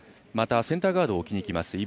センターガードを置きにいきます